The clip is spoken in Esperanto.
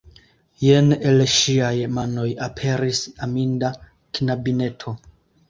Jen el ŝiaj manoj aperis aminda knabineto.